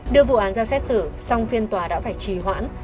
đưa vụ án ra xét xử song phiên tòa đã phải trì hoãn